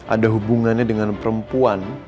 ada hubungannya dengan perempuan